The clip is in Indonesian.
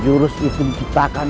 jurus itu diciptakan